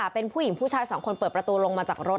เป็นผู้หญิงผู้ชายสองคนเปิดประตูลงมาจากรถ